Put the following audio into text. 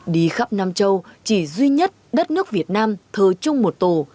đi khắp nam châu chỉ duy nhất đất nước việt nam thờ chung một tổ